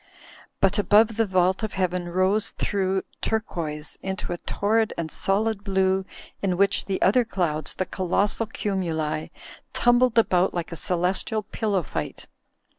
But above the vault of Heaven rose through turquoise into a torrid and solid blue in which the other clouds, the colossal cumuli, tumbled about like a celestial pillow fight.